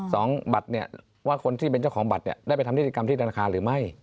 สองบัตรเนี่ยว่าคนที่เป็นเจ้าของบัตรเนี่ยได้ไปทำนิติกรรมที่ธนาคารหรือไม่